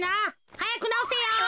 はやくなおせよ。